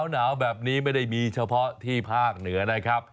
หนาวแบบนี้ไม่ได้มีเฉพาะที่ภาคเหนือนะครับ